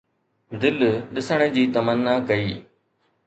دل ڏسڻ جي تمنا ڪئي